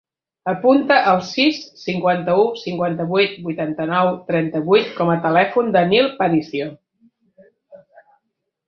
Apunta el sis, cinquanta-u, cinquanta-vuit, vuitanta-nou, trenta-vuit com a telèfon del Nil Paricio.